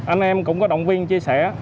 anh em cũng có động viên chia sẻ